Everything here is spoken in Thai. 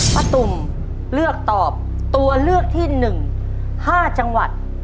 ประตุ่มเลือกตอบตัวเลือกที่หนึ่งห้าจังหวัด